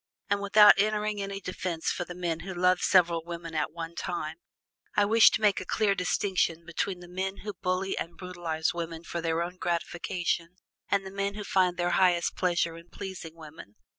And without entering any defense for the men who love several women at one time, I wish to make a clear distinction between the men who bully and brutalize women for their own gratification and the men who find their highest pleasure in pleasing women.